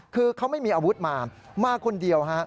คือเขาไม่มีอาวุธมามาคนเดียวฮะ